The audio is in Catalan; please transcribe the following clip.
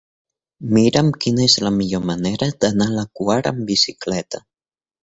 Mira'm quina és la millor manera d'anar a la Quar amb bicicleta.